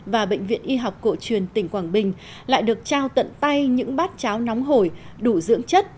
và bệnh viện y học cổ truyền tỉnh quảng bình lại được trao tận tay những bát cháo nóng hổi đủ dưỡng chất